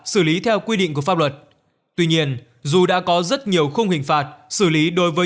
xử lý theo quy định của pháp luật tuy nhiên dù đã có rất nhiều khung hình phạt xử lý đối với